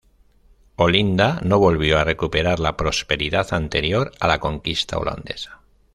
Olinda no volvió a recuperar la prosperidad anterior a la conquista holandesa.